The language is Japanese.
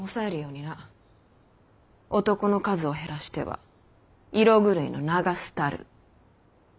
男の数を減らしては色狂いの名が廃る。